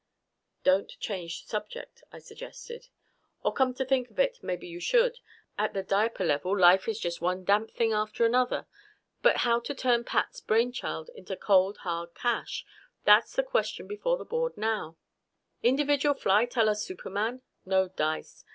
"Don't change the subject," I suggested. "Or come to think of it, maybe you should. At the diaper level, life is just one damp thing after another. But how to turn Pat's brainchild into cold, hard cash that's the question before the board now. "Individual flight a la Superman? No dice.